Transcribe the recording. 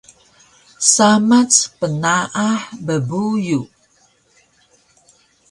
samac pnaah bbuyu